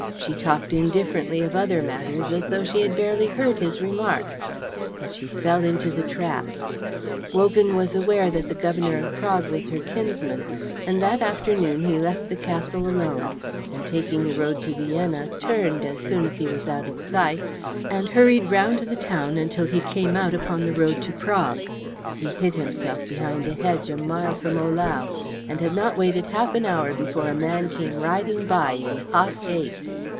She talked indifferently of other matters as though she had barely heard his remark; but she fell into the trap. Wogan was aware that the Governor of Prague was her kinsman; and that afternoon he left the castle alone, and taking the road to Vienna, turned as soon as he was out of sight and hurried round the town until he came out upon the road to Prague. He hid himself behind a hedge a mile from Ohlau, and had not waited half an hour before a man came riding by in hot haste.